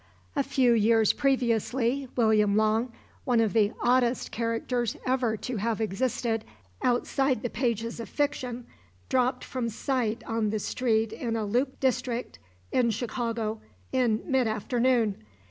A few years previously William Long, one of the oddest characters ever to have existed outside the pages of fiction, dropped from sight on the street in the Loop district in Chicago in mid afternoon.